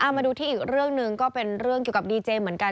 มาดูที่อีกเรื่องหนึ่งก็เป็นเรื่องเกี่ยวกับดีเจเหมือนกัน